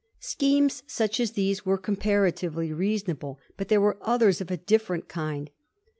Schemes such as these were comparatively reasonable ; but there were others of a different kind.